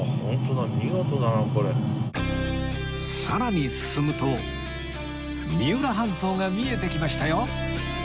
さらに進むと三浦半島が見えてきましたよ